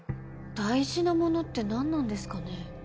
大事なものってなんなんですかね？